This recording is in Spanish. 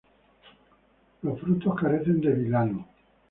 Los frutos carecen de vilano.